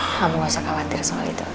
kamu gak usah khawatir soal itu